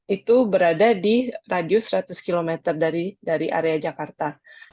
itu berada di radius seratus km dari area jakarta